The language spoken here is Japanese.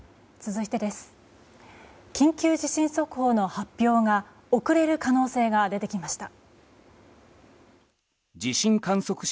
緊急地震速報の発表が送れる可能性が出てきました。